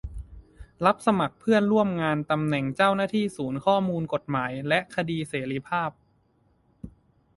รับสมัครเพื่อนร่วมงานตำแหน่งเจ้าหน้าที่ศูนย์ข้อมูลกฎหมายและคดีเสรีภาพ